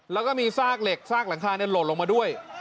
แล้วก็มีซากเหล็กซากหลังคาหล่นลงมาด้วย